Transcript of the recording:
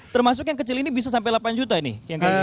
termasuk yang kecil ini bisa sampai delapan juta ini